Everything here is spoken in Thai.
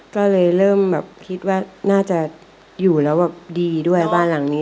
ก็เลยเริ่มแบบคิดว่าน่าจะอยู่แล้วแบบดีด้วยบ้านหลังนี้